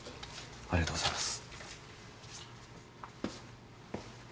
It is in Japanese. ありがとうございます。